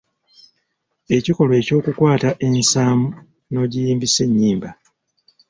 Ekikolwa ekyokukwata ensaamu n'ogiyimbisa ennyimba.